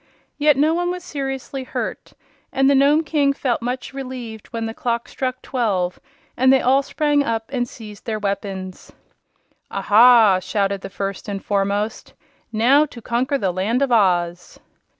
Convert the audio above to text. Yet no one was seriously hurt, and the Nome King felt much relieved when the clock struck twelve and they all sprang up and seized their weapons. "Aha!" shouted the First and Foremost. "Now to conquer the Land of Oz!"